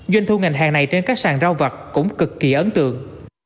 duyên thu ngành hàng này trên các sàn rau vật cũng cực kỳ ấn tượng